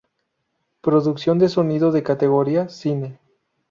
Producción de sonido de categoría: cine